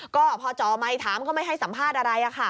ก็พอจอไมค์ถามก็ไม่ให้สัมภาษณ์อะไร